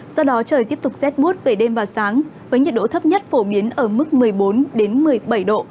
do đó trời tiếp tục rét bút về đêm và sáng với nhiệt độ thấp nhất phổ biến ở mức một mươi bốn một mươi bảy độ